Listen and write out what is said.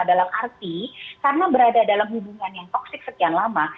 dalam arti karena berada dalam hubungan yang toxic sekian lama